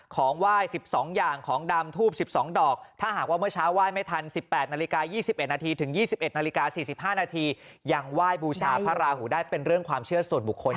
ของไหว้๑๒อย่างของดำทูบ๑๒ดอกถ้าหากว่าเมื่อเช้าไหว้ไม่ทัน๑๘นาฬิกา๒๑นาทีถึง๒๑นาฬิกา๔๕นาทียังไหว้บูชาพระราหูได้เป็นเรื่องความเชื่อส่วนบุคคล